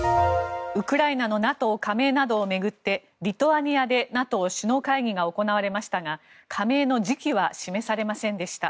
ウクライナのＮＡＴＯ加盟などを巡ってリトアニアでＮＡＴＯ首脳会議が行われましたが加盟の時期は示されませんでした。